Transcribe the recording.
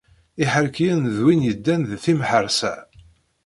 Iḥerkiyen d wid yeddan d temḥeṛṣa.